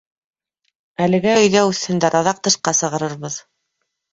- Әлегә өйҙә үҫһендәр, аҙаҡ тышҡа сығарырбыҙ...